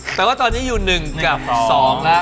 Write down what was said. แต่ว่าตอนนี้อยู่๑กับ๒แล้ว